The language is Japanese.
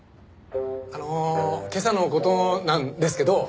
あの今朝の事なんですけど。